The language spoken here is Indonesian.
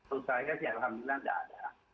sejauh ini alhamdulillah tidak ada